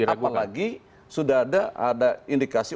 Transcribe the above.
apalagi sudah ada indikasi